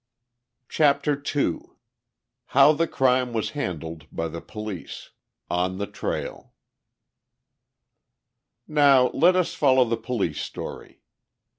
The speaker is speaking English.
CHAPTER II HOW THE CRIME WAS HANDLED BY THE POLICE—ON THE TRAIL Now, let us follow the police story.